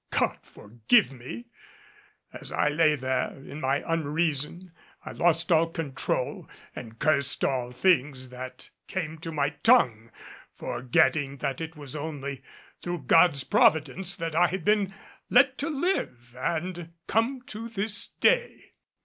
God forgive me! As I lay there in my unreason, I lost all control and cursed all things that came to my tongue, forgetting that it was only through God's providence that I had been let to live and come to this day.